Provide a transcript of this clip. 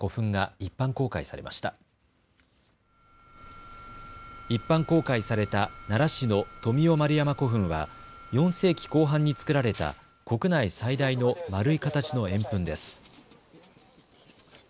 一般公開された奈良市の富雄丸山古墳は４世紀後半に造られた国内最大の丸い形の円墳です。